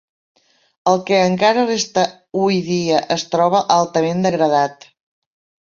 El que encara resta hui dia es troba altament degradat.